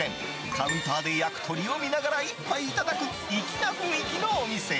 カウンターで焼く鶏を見ながら一杯いただく、粋な雰囲気のお店。